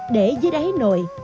để dưới đáy nồi